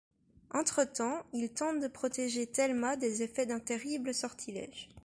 Entretemps, ils tentent de protéger Thelma des effets d’un terrible sortilège.